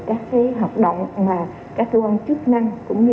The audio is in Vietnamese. mà các thư vấn chức năng cũng như bên bang giám hiệu nhà trường